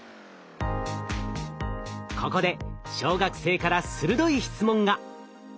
ここで小学生から鋭い質問が。